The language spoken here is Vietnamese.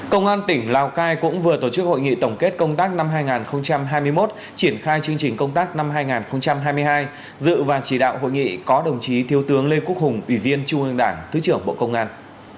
công an tỉnh lào cai cũng vừa tổ chức hội nghị tổng kết công tác năm hai nghìn hai mươi một triển khai chương trình công tác năm hai nghìn hai mươi hai dự và chỉ đạo hội nghị có đồng chí thiếu tướng lê quốc hùng ủy viên trung ương đảng thứ trưởng bộ công an